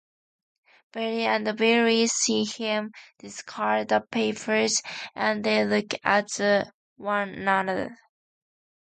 Bill and Billie see him discard the papers, and they look at one another.